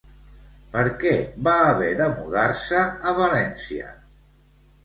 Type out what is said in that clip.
Per què va haver de mudar-se a València?